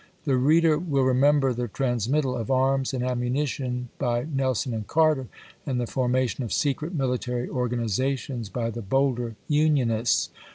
The reader will remember the transmittal of arms and ammunition by Nelson and Carter, and the forma tion of secret military organizations by the bolder Unionists.